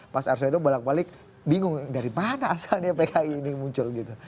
pas arswado balik balik bingung dari mana asalnya pki ini muncul gitu